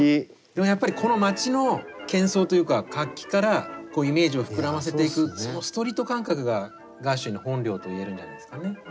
でもやっぱりこの街のけん騒というか活気からこうイメージを膨らませていくそのストリート感覚がガーシュウィンの本領と言えるんじゃないですかね。